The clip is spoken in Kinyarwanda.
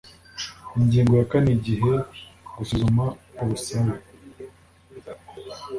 Ingingo ya kane Igihe gusuzuma ubusabe